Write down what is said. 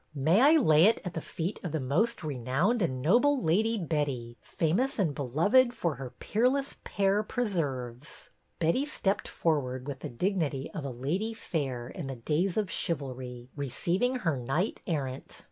May I lay it at the feet of the most renowned and noble Lady Betty, famous and beloved for her peerless pear preserves ?" Betty stepped forward with the dignity of a ladye fayre in the days of chivalry, receiving her knight errant.